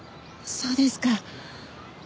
そうですか。